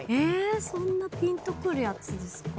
そんなぴんとくるやつですか？